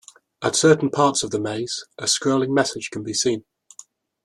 At certain parts of the maze, a scrolling message can be seen.